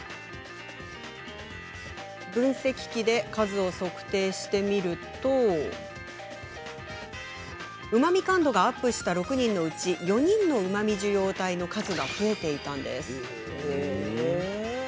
分析機で数を測定してみるとうまみ感度がアップした６人のうち４人のうまみ受容体の数が増えていたんです。